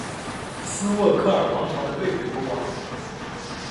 斯渥克尔王朝的瑞典国王。